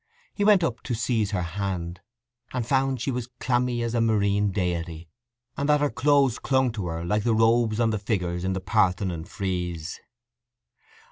He went up to seize her hand, and found she was clammy as a marine deity, and that her clothes clung to her like the robes upon the figures in the Parthenon frieze.